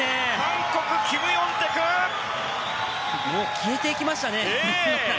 消えていきましたね。